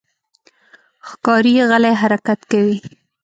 ښکاري غلی حرکت کوي.